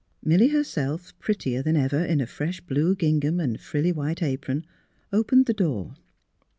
Milly her self, prettier than ever in a fresh blue gingham and frilly white apron, opened the door.